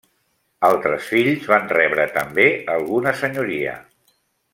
Altres fills van rebre també alguna senyoria.